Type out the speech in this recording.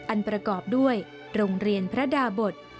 ประกอบด้วยโรงเรียนพระดาบท